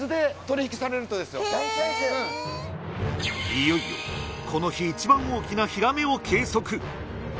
いよいよこの日一番大きなヒラメを計測。